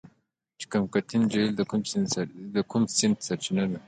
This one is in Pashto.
چقمقتین جهیل د کوم سیند سرچینه ده؟